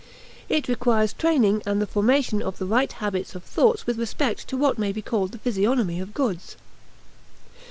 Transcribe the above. It requires training and the formation of right habits of thought with respect to what may be called the physiognomy of goods.